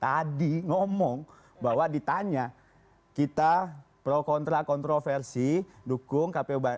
tadi ngomong bahwa ditanya kita pro kontra kontroversi dukung kpu